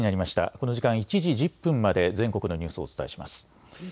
この時間、１時１０分まで全国のニュースをお伝えします。